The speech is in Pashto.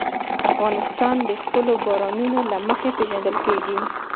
افغانستان د خپلو بارانونو له مخې پېژندل کېږي.